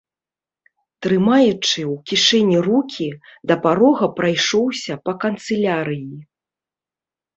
Трымаючы ў кішэні рукі, да парога прайшоўся па канцылярыі.